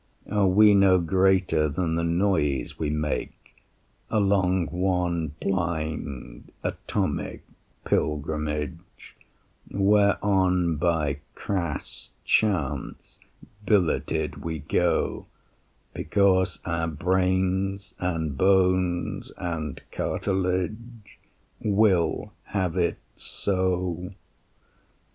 Are we no greater than the noise we make Along one blind atomic pilgrimage Whereon by crass chance billeted we go Because our brains and bones and cartilage Will have it so?